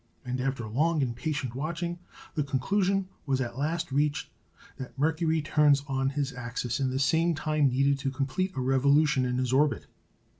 And after long and patient watching, the conclusion was at last reached that Mercury turns on his axis in the same time needed to complete a revolution in his orbit.